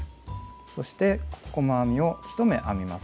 そして細編みを１目編みます。